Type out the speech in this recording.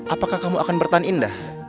apakah kamu akan bertahan indah